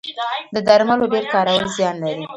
د درملو ډیر کارول زیان لري